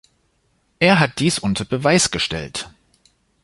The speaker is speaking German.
Er hat dies unter Beweis gestellt.